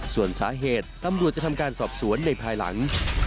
ส่วนสาเหตุตำรวจจะทำการสอบสวนในภายหลัง